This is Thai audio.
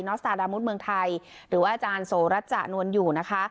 สตาดามุดเมืองไทยหรือว่าอาจารย์โสรัชจนวลอยู่นะคะ